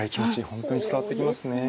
本当に伝わってきますね。